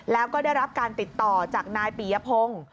แล้วก็ได้รับการติดต่อจากนายปียพงศ์